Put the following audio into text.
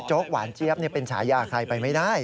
หวานเจี๊ยบเป็นฉายาใครไปไม่ได้